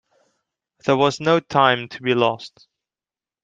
There was no time to be lost.